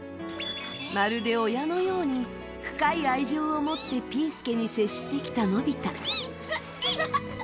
まるで親のように深い愛情を持ってピー助に接してきた、のび太。